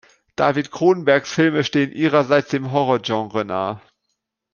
David Cronenbergs Filme stehen ihrerseits dem Horror-Genre nahe.